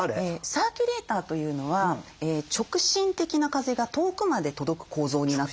サーキュレーターというのは直進的な風が遠くまで届く構造になってるんですね。